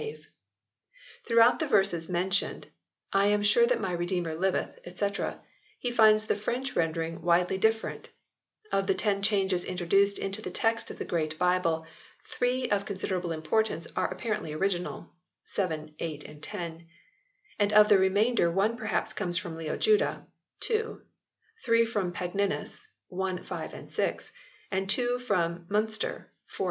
V] THREE RIVAL VERSIONS 77 Throughout the verses mentioned "I am sure that my Redeemer liveth," &c. he finds the French render ing widely different ; of the ten changes introduced into the text of the Great Bible three of consider able importance are apparently original (7, 8, 10); and of the remainder one perhaps comes from Leo Juda (2), three from Pagninus (1, 5, 6), and two from Minister (4, 9).